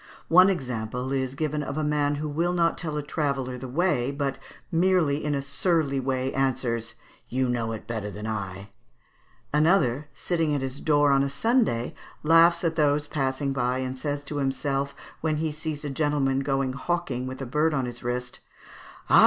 One example is given of a man who will not tell a traveller the way, but merely in a surly way answers, "You know it better than I" (Fig. 67). Another, sitting at his door on a Sunday, laughs at those passing by, and says to himself when he sees a gentleman going hawking with a bird on his wrist, "Ah!